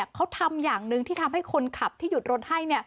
เขาทำอย่างหนึ่งที่ทำให้คนขับที่หยุดรถให้